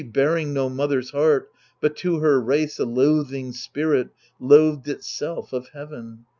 Bearing no mother's heart, but to her race A loathing spirit, loathed itself of heaven